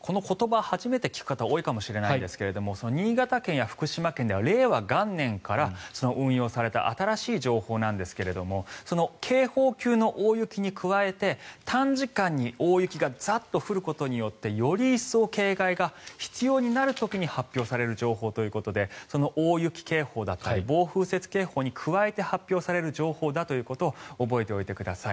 この言葉、初めて聞く方多いかもしれませんが新潟県や福島県では令和元年から運用された新しい情報なんですが警報級の大雪に加えて短時間に大雪がザッと降ることによってより一層、警戒が必要になる時に発表される情報ということで大雪警報だったり暴風雪警報に加えて発表される情報だということを覚えておいてください。